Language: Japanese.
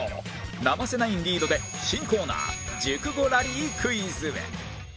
生瀬ナインリードで新コーナー熟語ラリークイズへ